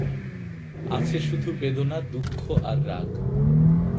আছে শুধু বেদনা, দুঃখ আর রাগ।